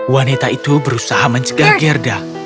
wanita itu berusaha mencegah gerda